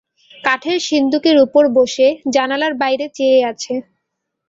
কাঠের সিন্দুকের উপর বসে জানলার বাইরে চেয়ে আছে।